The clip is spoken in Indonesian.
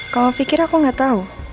kamu pikir aku nggak tahu